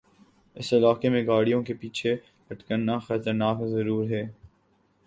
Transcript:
اس علاقے میں گاڑیوں کے پیچھے لٹکنا خطرناک ضرور ہے